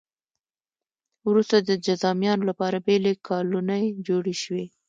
وروسته د جذامیانو لپاره بېلې کالونۍ جوړې شوې.